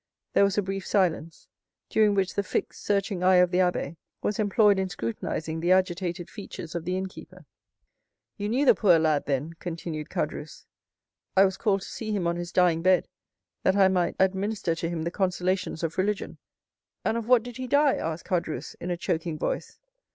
There was a brief silence, during which the fixed, searching eye of the abbé was employed in scrutinizing the agitated features of the innkeeper. "You knew the poor lad, then?" continued Caderousse. "I was called to see him on his dying bed, that I might administer to him the consolations of religion." "And of what did he die?" asked Caderousse in a choking voice.